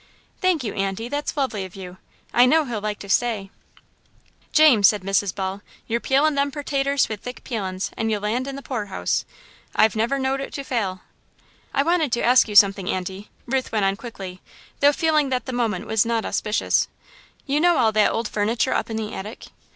"Thank you, Aunty, that's lovely of you. I know he'll like to stay." "James," said Mrs. Ball, "you're peelin' them pertaters with thick peelins' and you'll land in the poorhouse. I've never knowed it to fail." "I wanted to ask you something, Aunty," Ruth went on quickly, though feeling that the moment was not auspicious, "you know all that old furniture up in the attic?"